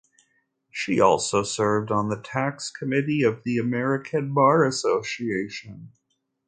She also served on the tax committee of the American Bar Association.